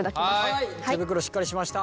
はい手袋しっかりしました。